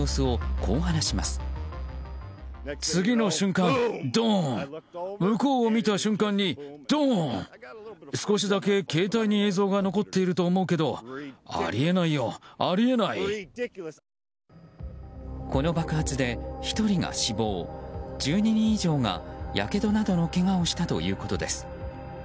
この爆発で１人が死亡１２人以上が、やけどなどのけがをしたということです。